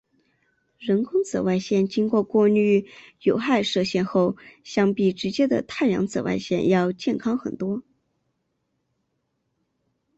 人工紫外线经过过滤掉有害射线后相比直接的太阳紫外线要健康很多。